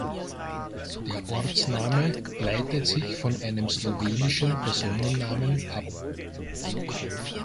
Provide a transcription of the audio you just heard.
Der Ortsname leitet sich von einem slowenischen Personennamen ab.